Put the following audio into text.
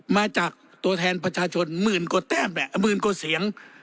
มาจากตัวแทนประชาชนหมื่นกว่าเสียง